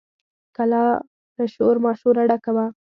کلا له شور ماشوره ډکه وه.